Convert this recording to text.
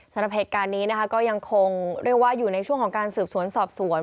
สำหรับเหตุการณ์นี้นะคะก็ยังคงเรียกว่าอยู่ในช่วงของการสืบสวนสอบสวน